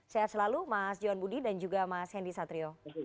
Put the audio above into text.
sehat selalu mas johan budi dan juga mas hendi satrio